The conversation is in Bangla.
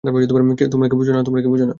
তোমরা কি বুঝ না?